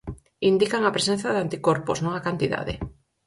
Indican a presenza de anticorpos, non a cantidade.